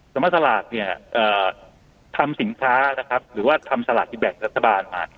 สำหรับสลากเนี่ยทำสินค้านะครับหรือว่าทำสลากกินแบ่งรัฐบาลมา